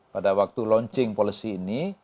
pada waktu launching policy ini